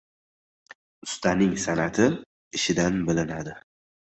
• Ustaning san’ati ishidan bilinadi.